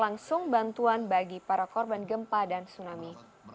langsung bantuan bagi para korban gempa dan tsunami